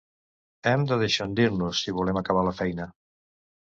Hem de deixondir-nos, si volem acabar la feina.